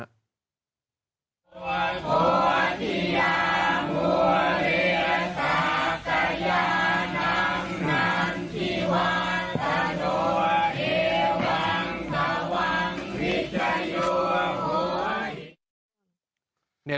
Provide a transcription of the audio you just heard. มีใจอยู่อ่ะโห้